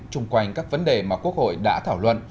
trung quanh các vấn đề mà quốc hội đã thảo luận